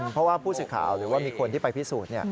เพราะว่าผู้สื่อข่าวหรือว่ามีคนที่ไปพิสูจน์